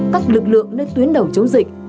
các lực lượng nơi tuyến đầu chống dịch